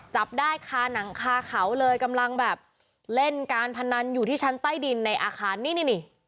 จับได้คาหนังคาเขาเลยกำลังแบบเล่นการพนันอยู่ที่ชั้นใต้ดินในอาคารนี่นี่